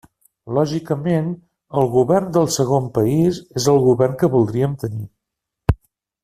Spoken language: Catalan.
Lògicament, el govern del segon país és el govern que voldríem tenir.